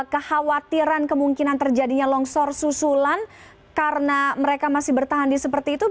kekhawatiran kemungkinan terjadinya longsor susulan karena mereka masih bertahan di seperti itu